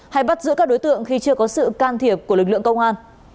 hay bắt giữ các đối tượng khi chưa có sự can thiệp của lực lượng công an